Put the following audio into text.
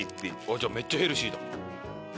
「じゃあめっちゃヘルシーだ」